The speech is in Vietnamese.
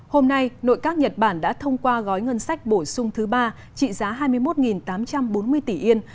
hôm nay nội các nhật bản đã thông qua gói ngân sách bổ sung thứ ba trị giá hai mươi một tám trăm bốn mươi tỷ yên